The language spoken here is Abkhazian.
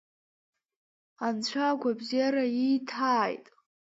Анцәа агәабзиара ииҭааит!